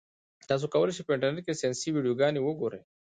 تاسي کولای شئ په انټرنيټ کې ساینسي ویډیوګانې وګورئ.